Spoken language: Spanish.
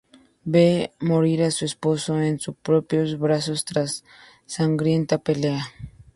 Ve morir a su esposo en sus propios brazos tras sangrienta pelea.